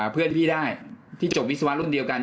พี่ได้ที่จบวิศวะรุ่นเดียวกัน